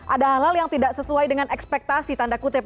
adalah yang tidak sesuai dengan ekspektasi tanda kutip